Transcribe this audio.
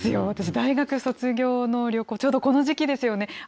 私、大学卒業の旅行、ちょうどこの時期ですよね。